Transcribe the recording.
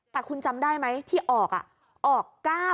แต่คุณจำได้ไหมที่ออกออก๙๐